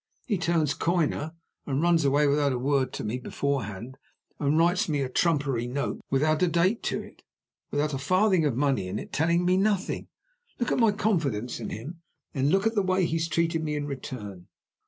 He turns coiner, and runs away without a word to me beforehand, and writes me a trumpery note, without a date to it, without a farthing of money in it, telling me nothing! Look at my confidence in him, and then look at the way he's treated me in return.